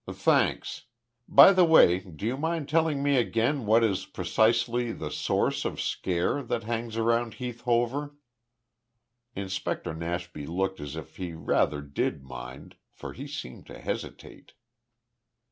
"Thanks. By the way, do you mind telling me again what is precisely the source of scare that hangs round Heath Hover?" Inspector Nashby looked as if he rather did mind, for he seemed to hesitate.